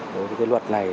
đối với luật này